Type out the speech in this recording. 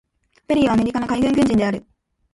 ペリーはアメリカの海軍軍人である。